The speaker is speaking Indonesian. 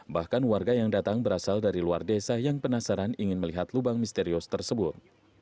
bahkan warga yang datang berasal dari luar desa yang penasaran ingin melihat lubang misterius tersebut